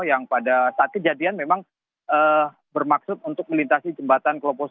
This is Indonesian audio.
yang pada saat kejadian memang bermaksud untuk melintasi jembatan klopo satu